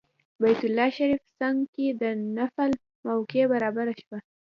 بیت الله شریف څنګ کې د نفل موقع برابره شوه.